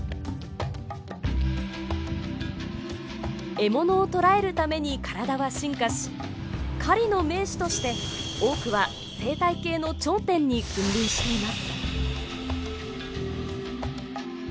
獲物を捕らえるために体は進化し狩りの名手として多くは生態系の頂点に君臨しています。